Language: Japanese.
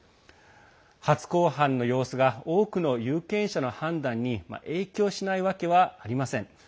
初公判の様子が多くの有権者の判断に影響しないわけはありません。